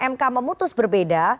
mk memutus berbeda